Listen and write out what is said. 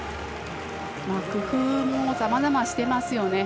工夫もさまざましてますよね。